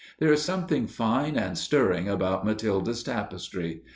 There is something fine and stirring about Matilda's tapestry.